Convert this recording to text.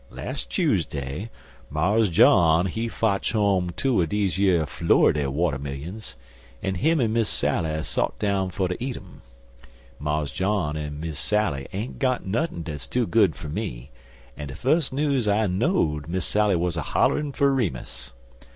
Las' Chuseday, Mars John he fotch home two er deze yer Flurridy watermillions, an him an' Miss Sally sot down fer ter eat um. Mars John an' Miss Sally ain't got nuthin' dat's too good fer me, an' de fus news I know'd Miss Sally wuz a hollerin' fer Remus.